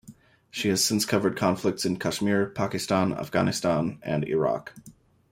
She has since covered conflicts in Kashmir, Pakistan, Afghanistan and Iraq.